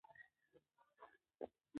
په دې نکلونو کې زړې ښځې د مکرو و فرېبه